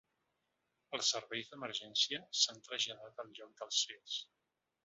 Els serveis d’emergència s’han traslladat al lloc dels fets.